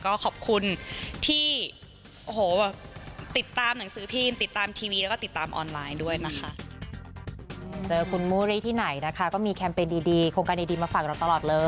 ก็ขอบคุณที่โอ้โหติดตามหนังสือพิมพ์ติดตามทีวีแล้วก็ติดตามออนไลน์ด้วยนะคะ